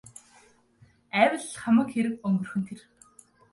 Айвал л хамаг хэрэг өнгөрөх нь тэр.